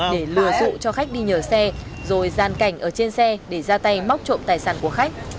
để lừa dụ cho khách đi nhờ xe rồi gian cảnh ở trên xe để ra tay móc trộm tài sản của khách